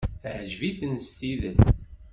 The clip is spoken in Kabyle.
Yeɛjeb-iten s tidet.